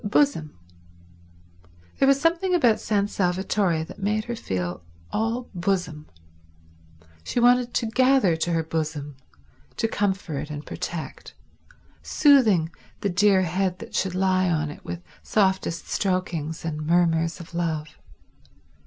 —bosom. There was something about San Salvatore that made her feel all bosom. She wanted to gather to her bosom, to comfort and protect, soothing the dear head that should lie on it with softest strokings and murmurs of love.